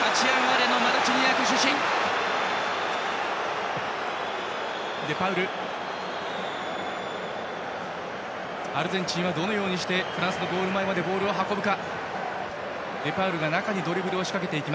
アルゼンチンはどのようにしてフランスのゴール前までボールを運ぶか。